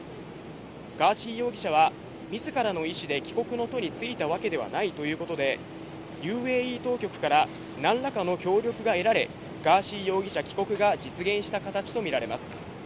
ガーシー容疑者は、みずからの意思で帰国の途に就いたわけではないということで、ＵＡＥ当局からなんらかの協力が得られ、ガーシー容疑者帰国が実現した形と見られます。